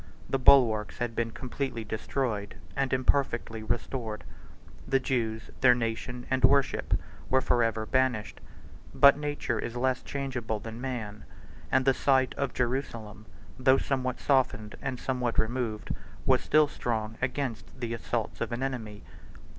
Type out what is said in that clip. The bulwarks had been completely destroyed and imperfectly restored: the Jews, their nation, and worship, were forever banished; but nature is less changeable than man, and the site of Jerusalem, though somewhat softened and somewhat removed, was still strong against the assaults of an enemy.